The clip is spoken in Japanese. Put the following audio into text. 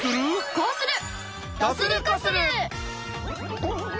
こうする！